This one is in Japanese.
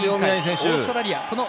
オーストラリア。